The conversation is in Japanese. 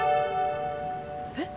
えっ？